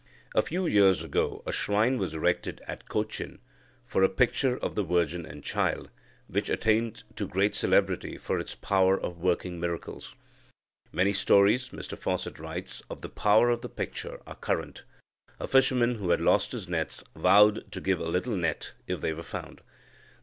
A few years ago, a shrine was erected at Cochin for a picture of the Virgin and Child, which attained to great celebrity for its power of working miracles. "Many stories," Mr Fawcett writes, "of the power of the picture are current. A fisherman, who had lost his nets, vowed to give a little net, if they were found.